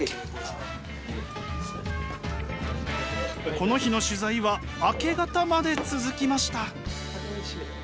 この日の取材は明け方まで続きました。